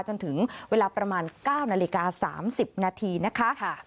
จนถึงเวลาประมาณ๙นาฬิกา๓๐นาทีนะคะ